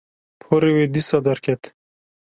Porê wê dîsa derket